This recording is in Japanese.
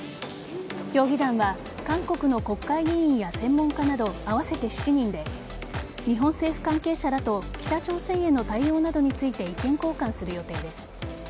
協議団は韓国の国会議員や専門家など合わせて７人で日本政府関係者らと北朝鮮への対応などについて意見交換する予定です。